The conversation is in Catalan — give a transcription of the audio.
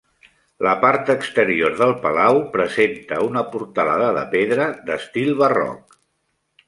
La part exterior del palau presenta una portalada de pedra d'estil barroc.